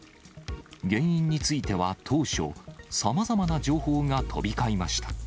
原因については当初、さまざまな情報が飛び交いました。